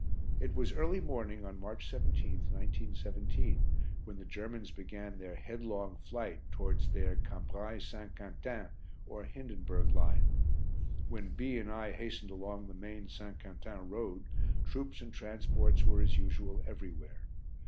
It was early morning on March 17th, 1917, when the Germans began their headlong flight towards their Cambrai, St. Quentin, or "Hindenburg" Line. When B and I hastened along the main St. Quentin Road, troops and transports were as usual everywhere.